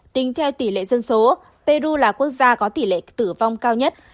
tính theo tỷ lệ dân số peru là quốc gia có tỷ lệ tử vong cao nhất